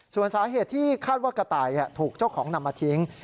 ส่วนสาเหตุที่คาดว่ากระต่ายถูกเจ้าของนำมาทิ้ง